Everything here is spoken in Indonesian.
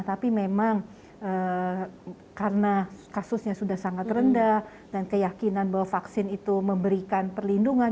tapi memang karena kasusnya sudah sangat rendah dan keyakinan bahwa vaksin itu memberikan perlindungan